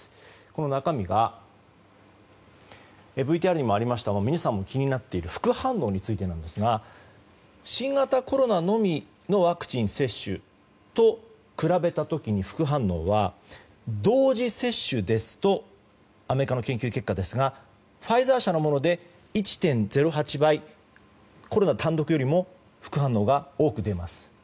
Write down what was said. この中身がＶＴＲにもありました皆さんも気になっている副反応についてなんですが新型コロナのみのワクチン接種と比べた時に副反応は同時接種ですとアメリカの研究結果ですがファイザー社のもので１．０８倍コロナ単独よりも副反応が多く出ます。